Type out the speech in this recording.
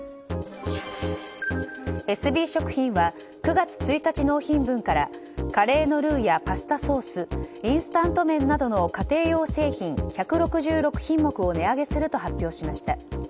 エスビー食品は９月１日納品分からカレーのルウやパスタソースインスタント麺などの家庭用製品１６６品目を値上げすると発表しました。